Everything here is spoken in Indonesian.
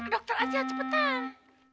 dokter ajah cepetan